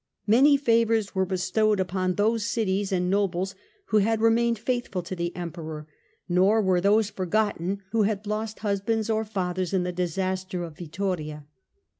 Many favours were bestowed upon those cities and nobles who had remained faithful to the Emperor ; nor were those forgotten who had lost husbands or fathers in the disaster of Vittoria.